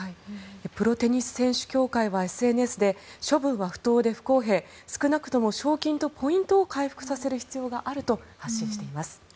プロテニス選手協会はＳＮＳで処分は不当で不公平少なくとも賞金とポイントを回復させる必要があると発信しています。